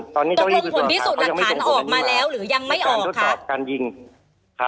ตกลงผลพิสูจน์หลักฐานออกมาแล้วหรือยังไม่ออกค่ะ